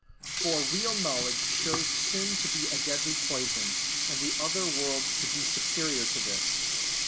For real knowledge shows sin to be a deadly poison, and the other world to be superior to this.